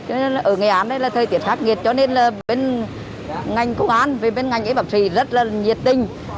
ở nghệ an đấy là thời tiết khắc nghiệt cho nên là bên ngành công an bên ngành bác sĩ rất là nhiệt tinh